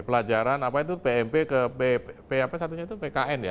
pelajaran apa itu pmp ke pap satunya itu pkn ya